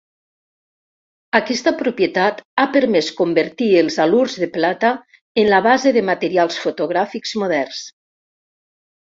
Aquesta propietat ha permès convertir els halurs de plata en la base de materials fotogràfics moderns.